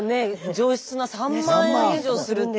上質な３万円以上するって。